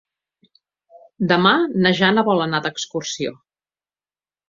Demà na Jana vol anar d'excursió.